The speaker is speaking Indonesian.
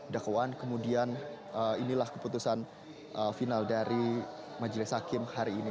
dakwaan kemudian inilah keputusan final dari majelis hakim hari ini